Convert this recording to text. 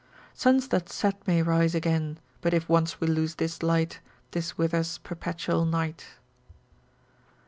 Suns that set may rise again, But if once we loss this light, 'Tis with us perpetual night.